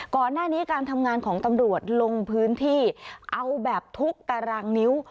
ก่อนหน้านี้การทำงานของตำรวจลงพื้นที่เอาแบบทุกตารางนิ้ว